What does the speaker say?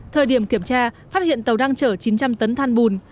thời điểm kiểm tra phát hiện tàu đang chở chín trăm linh tấn than bùn